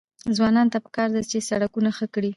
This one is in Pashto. ځوانانو ته پکار ده چې، سړکونه ښه کړي.